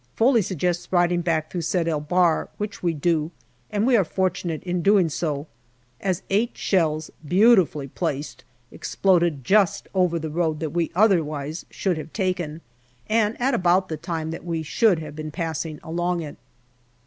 Foley suggests riding back through Sed el Bahr, which we do, and we were fortunate in doing so, as eight shells, beautifully placed, exploded just over the road that we otherwise should have taken, and at about the time that we should have been passing along it.